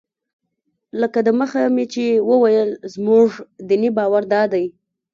لکه دمخه مې چې وویل زموږ دیني باور دادی.